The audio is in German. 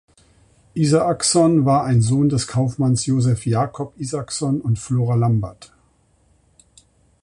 Isaacson war ein Sohn des Kaufmanns Joseph Jacob Isaacson und Flora Lambert.